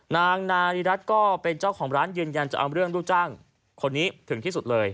นางนาริรัติก็เป็นเจ้าของร้านยืนยันจะเอาเรื่องลูกจ้างคนนี้ถึงที่สุดเลย